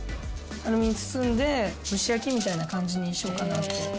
アルミに包んで蒸し焼きみたいな感じにしようかなって。